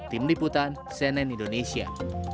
tim liputan cnn indonesia